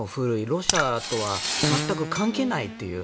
ロシアとは全く関係ないという。